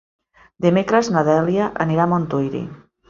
Dimecres na Dèlia anirà a Montuïri.